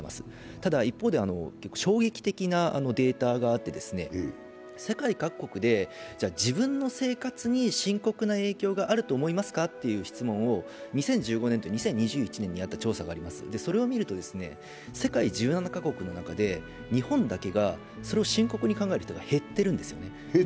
ただ、一方で衝撃的なデータがあって世界各国で自分の生活に深刻な影響があると思いますかという質問を２０１５年と２０２１年にやった調査がありますのでそれを見ると、世界１７か国の中で、日本だけがそれを深刻に考える人が減っているんですね。